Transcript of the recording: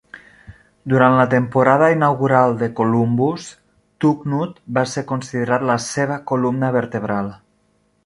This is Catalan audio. Durant la temporada inaugural de Columbus, Tugnutt va ser considerat la seva columna vertebral.